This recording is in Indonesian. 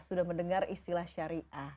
sudah mendengar istilah syariah